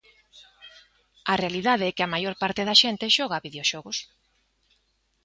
A realidade é que a maior parte da xente xoga a videoxogos.